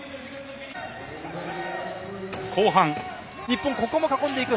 日本、ここも囲んでいく。